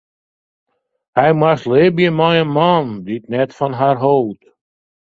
Hja moast libje mei in man dy't net fan har hold.